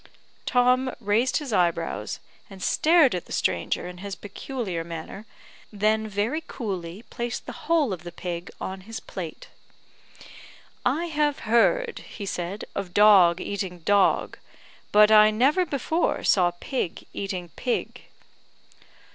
Tom raised his eyebrows, and stared at the stranger in his peculiar manner, then very coolly placed the whole of the pig on his plate. "I have heard," he said, "of dog eating dog, but I never before saw pig eating pig."